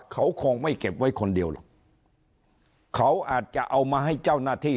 เขาคงไม่เก็บไว้คนเดียวหรอกเขาอาจจะเอามาให้เจ้าหน้าที่